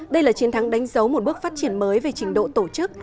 đây là chiến thắng đánh dấu một bước phát triển mới về trình độ tổ chức